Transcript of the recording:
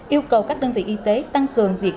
yêu cầu các đơn vị y tế tăng cường việc